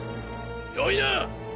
よいな！